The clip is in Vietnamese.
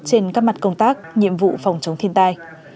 trên các mặt công tác nhiệm vụ phòng chống thiên tai